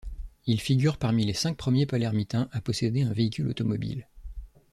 Il figure parmi les cinq premiers palermitains à posséder un véhicule automobile.